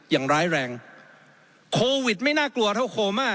อย่างร้ายแรงโควิดไม่น่ากลัวเท่าโคม่า